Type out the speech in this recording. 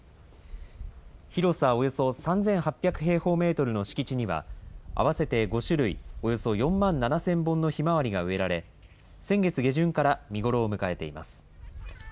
広さおよそ３８００平方メートルの敷地には、合わせて５種類、およそ４万７０００本のひまわりが植えられ、先月下旬から見頃を迎えています。